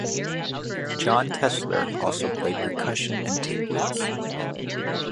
Jon Tessler also played percussion and tape loops.